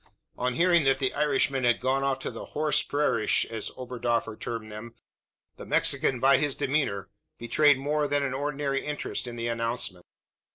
On hearing that the Irishman had gone off to the "horsh prairish," as Oberdoffer termed them, the Mexican by his demeanour betrayed more than an ordinary interest in the announcement.